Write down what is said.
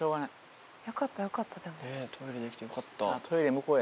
よかったよかったでも。